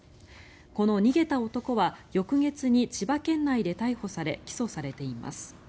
この逃げた男は翌月に千葉県内で逮捕され起訴されています。